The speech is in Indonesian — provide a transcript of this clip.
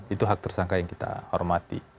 itu hak tersangka yang kita hormati